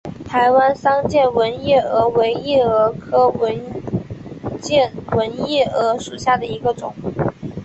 台湾桑剑纹夜蛾为夜蛾科剑纹夜蛾属下的一个种。